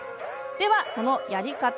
では、そのやり方。